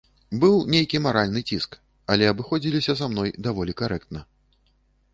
Быў нейкі маральны ціск, але абыходзіліся са мной даволі карэктна.